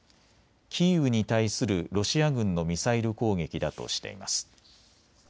キーウに対するロシア軍のミサイル攻撃だとしています。